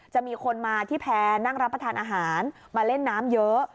จะมีคนมาที่แพร่นั่งรับประทานอาหารมาเล่นน้ำเยอะ